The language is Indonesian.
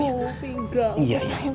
saya mau pergi nanti